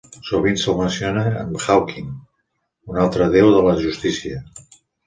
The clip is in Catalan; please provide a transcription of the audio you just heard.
Sovint se'l menciona amb Haukim, un altre déu de la justícia.